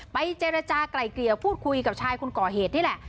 เจรจากลายเกลี่ยพูดคุยกับชายคนก่อเหตุนี่แหละ